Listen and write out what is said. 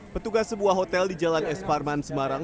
petugas sebuah hotel di jalan es parman semarang